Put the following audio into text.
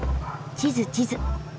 地図地図。